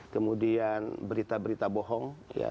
kemudian berita berita bohong